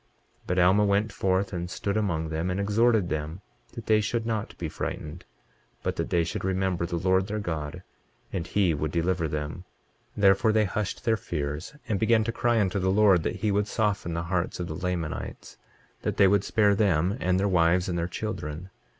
23:27 But Alma went forth and stood among them, and exhorted them that they should not be frightened, but that they should remember the Lord their God and he would deliver them. 23:28 Therefore they hushed their fears, and began to cry unto the Lord that he would soften the hearts of the Lamanites, that they would spare them, and their wives, and their children.